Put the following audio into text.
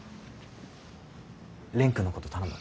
蓮くんのこと頼む。